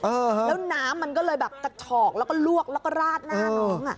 เออแล้วน้ำมันก็เลยแบบกระฉอกแล้วก็ลวกแล้วก็ราดหน้าน้องอ่ะ